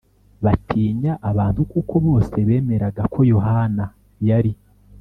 batinya abantu kuko bose bemeraga ko Yohana yari